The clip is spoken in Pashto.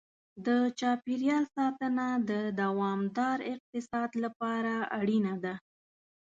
د چاپېریال ساتنه د دوامدار اقتصاد لپاره اړینه ده.